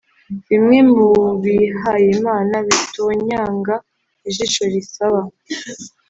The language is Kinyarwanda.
bimwe mubihayimana bitonyanga ijisho risaba;